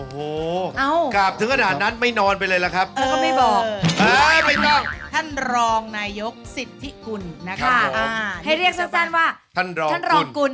บัคเทียเชียภาษาไทยบัคเทียเทียภาษาอังกฤษ